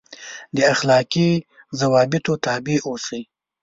دا اخلاقي ضوابطو تابع اوسي.